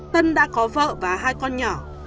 tân đã có vợ và hai con nhỏ